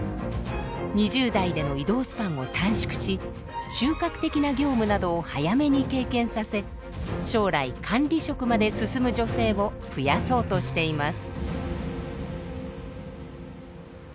２０代での異動スパンを短縮し中核的な業務などを早めに経験させ将来管理職まで進む女性を増やそうとしています。